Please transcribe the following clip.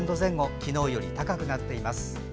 昨日より高くなっています。